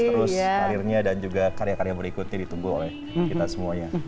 terus karirnya dan juga karya karya berikutnya ditunggu oleh kita semuanya